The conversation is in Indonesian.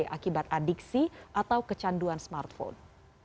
akibat adiksi atau kecanduan smartphone